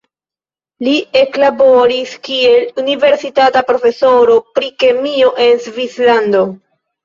Li eklaboris kiel universitata profesoro pri kemio en Svislando.